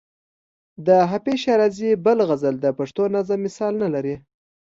د حافظ شیرازي بل غزل د پښتو نظم مثال نه لري.